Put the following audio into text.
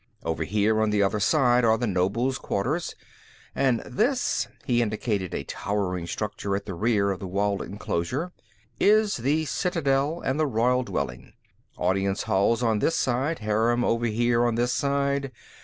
Over here, on the other side, are the nobles' quarters. And this," he indicated a towering structure at the rear of the walled enclosure "is the citadel and the royal dwelling. Audience hall on this side; harem over here on this side.